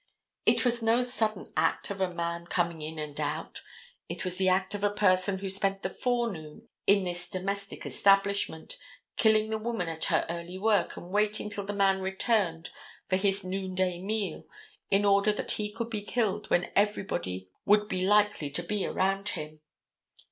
It was no sudden act of a man coming in and out. It was the act of a person who spent the forenoon in this domestic establishment, killing the woman at her early work and waiting till the man returned for his noon day meal in order that he could be killed when everybody would be likely to be around him.